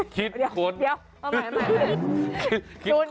คิดค้นเดี๋ยวเอาใหม่